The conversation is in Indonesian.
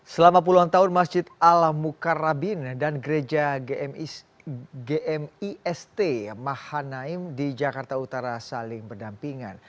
selama puluhan tahun masjid al mukarrabin dan gereja gmist mahanaim di jakarta utara saling berdampingan